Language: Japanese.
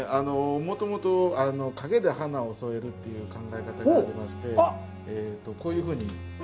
もともと影で花を添えるっていう考え方がありましてこういうふうに。